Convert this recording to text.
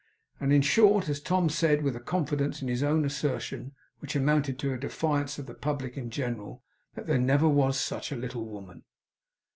And in short, as Tom said, with a confidence in his own assertion which amounted to a defiance of the public in general, there never was such a little woman.